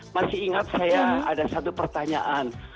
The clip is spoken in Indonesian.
masih ingat saya ada satu pertanyaan